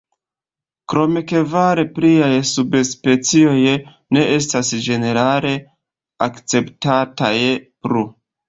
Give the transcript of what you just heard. Krome kvar pliaj subspecioj ne estas ĝenerale akceptataj plu.